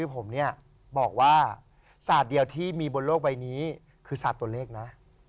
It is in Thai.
ผมเนี่ยบอกว่าศาสตร์เดียวที่มีบนโลกใบนี้คือศาสตร์ตัวเลขนะ